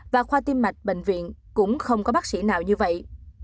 và khoa tiêm mạch bệnh viện cũng không có bác sĩ nào như vậy